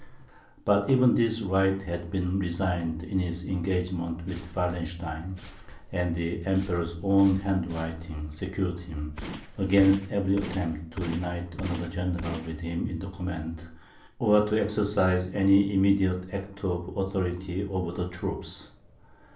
But even this right had been resigned in his engagement with Wallenstein, and the Emperor's own handwriting secured him against every attempt to unite another general with him in the command, or to exercise any immediate act of authority over the troops.